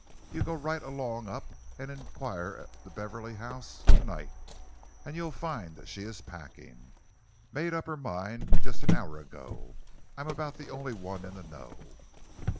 You go right along up and enquire at the Beverley house to night, and you'll find that she is packing. Made up her mind just an hour ago. I'm about the only one in the know."